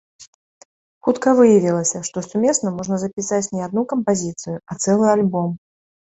Хутка выявілася, што сумесна можна запісаць не адну кампазіцыю, а цэлы альбом.